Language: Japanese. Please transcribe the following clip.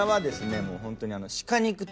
もうホントに。